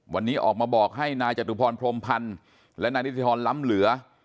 วันนี้ออกมาบอกให้นายจตุพรพรมพันธ์และนายนิติธรรมล้ำเหลือ